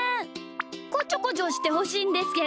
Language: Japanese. こちょこちょしてほしいんですけど。